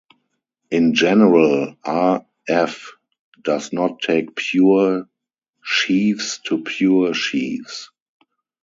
In general "R"f" does not take pure sheaves to pure sheaves.